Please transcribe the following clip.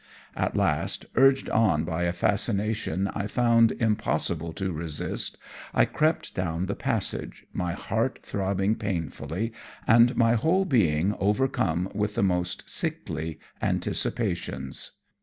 At last, urged on by a fascination I found impossible to resist, I crept down the passage, my heart throbbing painfully and my whole being overcome with the most sickly anticipations.